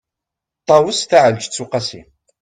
ṭawes taεelǧeţ uqasi